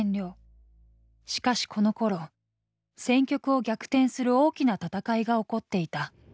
しかしこのころ戦局を逆転する大きな戦いが起こっていた。